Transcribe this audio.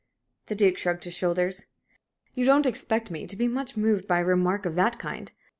The Duke shrugged his shoulders. "You don't expect me to be much moved by a remark of that kind?